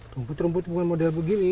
rumput rumput bukan model begini